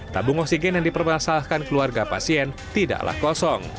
tabung oksigen yang dipermasalahkan keluarga pasien tidaklah kosong